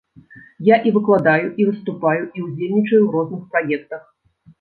Я і выкладаю, і выступаю, і ўдзельнічаю ў розных праектах.